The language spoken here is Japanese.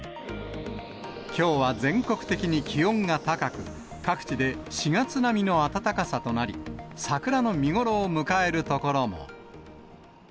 きょうは全国的に気温が高く、各地で４月並みの暖かさとなり、桜の見頃を迎える所も。